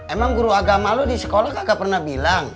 emang guru agama lu di sekolah kagak pernah bilang